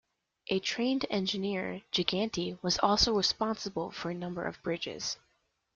A trained engineer, Giganti was also responsible for a number of bridges.